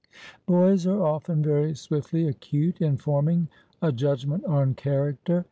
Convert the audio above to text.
Boys are often very swiftly acute in forming a judgment on character.